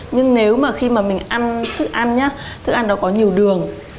nhưng nếu mà khi mà mình ăn thức ăn thức ăn đó có nhiều đường